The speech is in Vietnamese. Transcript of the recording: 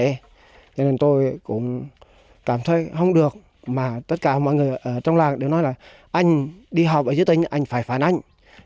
thế nên tôi cũng cảm thấy không được mà tất cả mọi người trong làng đều nói là anh đi họp ở dưới tính anh phải phản anh